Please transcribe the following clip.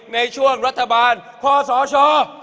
ในช่วงรัฐบาลข้อสอชอ